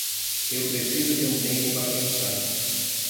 Eu preciso de um tempo para pensar.